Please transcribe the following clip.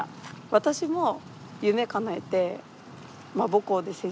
私も夢かなえてまあ母校で先生して。